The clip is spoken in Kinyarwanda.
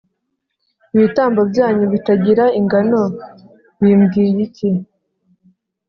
Ibitambo byanyu bitagira ingano bimbwiye iki ?